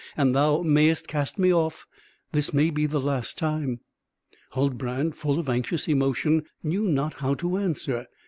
and thou mayest cast me off; this may be the last time." Huldbrand, full of anxious emotion, knew not how to answer.